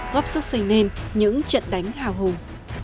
góp sức xây nền những trận đánh hào hùng